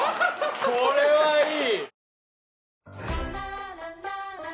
これはいい。